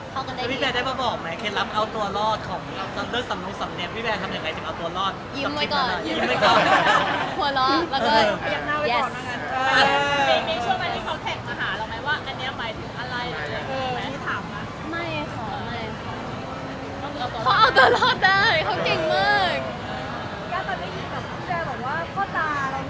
เหมือนจะเป็นความภาพลัวนะคะ